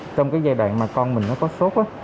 trong giai đoạn mà con mình có sốt